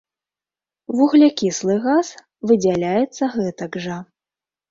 Вуглякіслы газ выдзяляецца гэтак жа.